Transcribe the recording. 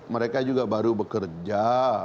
mereka juga baru bekerja